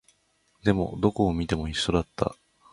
でも、どこを見ても一緒だった